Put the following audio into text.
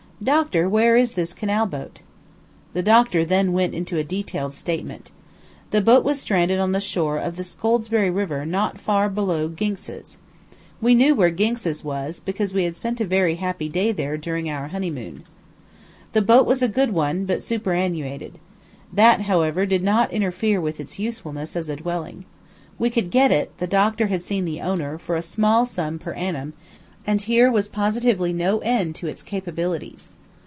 Doctor, where is this canal boat?" The doctor then went into a detailed statement. The boat was stranded on the shore of the Scoldsbury river not far below Ginx's. We knew where Ginx's was, because we had spent a very happy day there, during our honeymoon. The boat was a good one, but superannuated. That, however, did not interfere with its usefulness as a dwelling. We could get it the doctor had seen the owner for a small sum per annum, and here was positively no end to its capabilities.